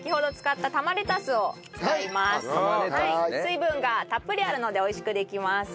水分がたっぷりあるので美味しくできます。